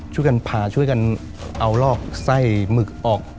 ช่วยกันพาช่วยกันเอาลอกไส้หมึกออก